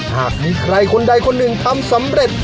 หากมีใครคนใดคนหนึ่งทำสำเร็จ